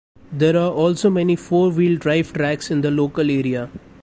There are also many four wheel drive tracks in the local area.